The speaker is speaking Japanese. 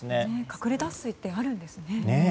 隠れ脱水ってあるんですね。